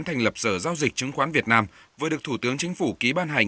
thành lập sở giao dịch chứng khoán việt nam vừa được thủ tướng chính phủ ký ban hành